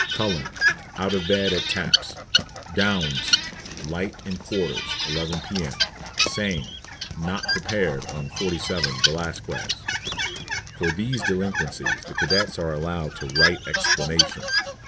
CULLEN. Out of bed at taps. DOUNS. Light in quarters, 11 p.m. SAME. Not prepared on 47 Velasquez.* *For these delinquencies the cadets are allowed to write explanations.